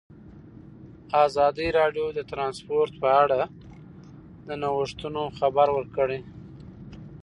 ازادي راډیو د ترانسپورټ په اړه د نوښتونو خبر ورکړی.